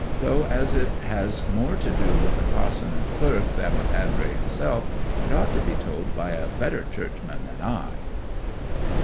'Though as it has more to do with the pa'son and clerk than with Andrey himself, it ought to be told by a better churchman than I.